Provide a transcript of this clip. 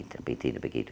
tapi tidak begitu